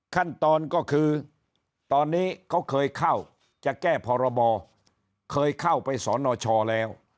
ขั้นตอนก็คือตอนนี้เขาเคยเข้าจะแก้พรบเคยเข้าไปสนชแล้ว